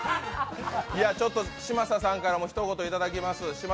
嶋佐さんからもひと言いただきます。